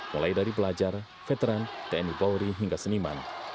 mulai dari pelajar veteran tni polri hingga seniman